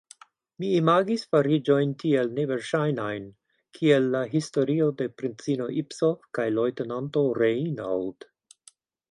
Mi imagis fariĝojn tiel neverŝajnajn, kiel la historio de princino Ipsof kaj leŭtenanto Reinauld.